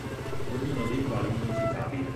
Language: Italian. Ognuno dei quali modificabile.